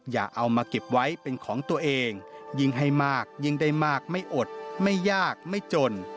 อย่าเอามาเก็บไว้เป็นของตัวเองยิ่งให้มากยิ่งได้มากไม่อดไม่ยากไม่จน